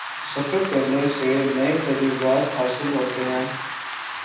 سفر کرنے سے نئے تجربات حاصل ہوتے ہیں